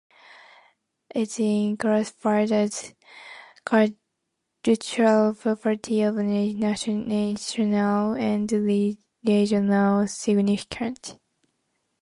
It is classified as Cultural Property of National and Regional Significance.